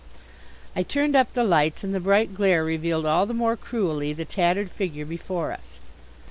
I turned up the lights and the bright glare revealed all the more cruelly the tattered figure before us.